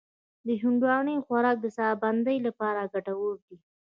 د هندواڼې خوراک د ساه بندۍ لپاره ګټور دی.